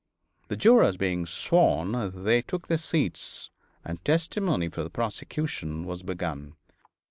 The jurors being sworn, they took their seats, and testimony for the prosecution was begun.